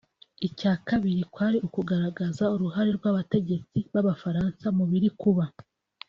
Icya kabiri kwari ukugaragaza uruhare rw’abategetsi b’abafaransa mu biri kuba